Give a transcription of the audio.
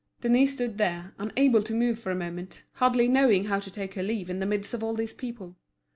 Denise stood there, unable to move for a moment, hardly knowing how to take her leave in the midst of all these people.